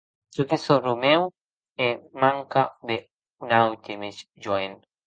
Jo que sò Romèu, a manca de un aute mès joen.